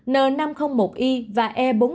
n năm trăm linh một i có thể giúp virus kháng vaccine hơn